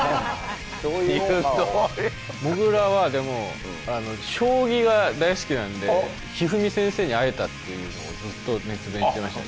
どういうオファーをもぐらはでも将棋が大好きなんで一二三先生に会えたっていうのをずっと熱弁してました